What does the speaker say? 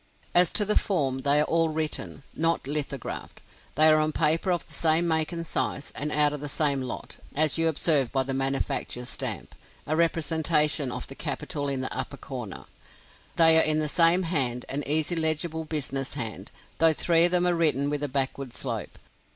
As to form they are all written, not, lithographed; they are on paper of the same make and size, and out of the same lot, as you observe by the manufacturer's stamp a representation of the Capitol in the upper corner. They are in the same hand, an easy legible business hand, though three of them are written with a backward slope.